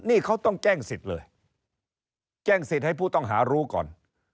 นี่เขาต้องแจ้งสิทธิ์เลยแจ้งสิทธิ์ให้ผู้ต้องหารู้ก่อน